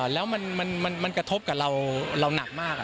แล้วมันกระทบกับเราหนักมาก